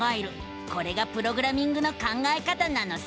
これがプログラミングの考え方なのさ！